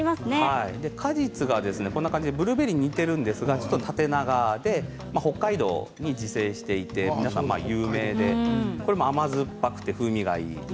果実がブルーベリーに似ているんですけれど縦長で北海道に自生していて北海道では有名で甘酸っぱくて風味がいいんですね。